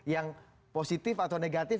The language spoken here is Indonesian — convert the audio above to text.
yang positif atau negatif